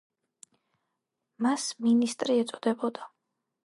მას მინისტრი ეწოდებოდა.